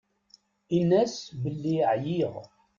Inn-as belli ɛyiɣ.